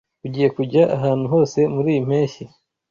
Ugiye kujya ahantu hose muriyi mpeshyi?